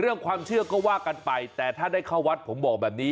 เรื่องความเชื่อก็ว่ากันไปแต่ถ้าได้เข้าวัดผมบอกแบบนี้